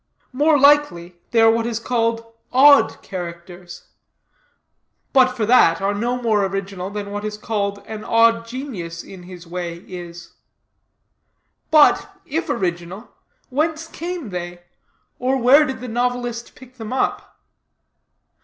More likely, they are what are called odd characters; but for that, are no more original, than what is called an odd genius, in his way, is. But, if original, whence came they? Or where did the novelist pick them up?